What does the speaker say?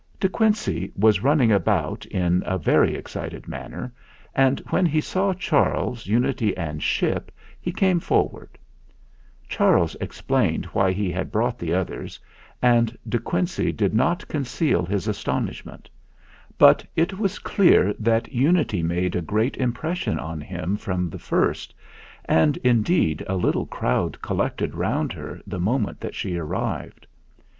De Quincey was running about in a very excited manner, and when he saw Charles, Unity, and Ship he came forward. Charles explained why he had brought the others, and De Quincey did not conceal his astonishment ; but it was clear that Unity made a great impression on him from the first, and, The ladies were brilliant in every colour of a rainbow THE ZAGABOG 113 indeed, a little crowd collected round her the moment that she arrived.